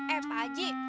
eh pak haji